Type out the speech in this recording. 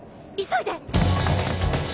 急いで！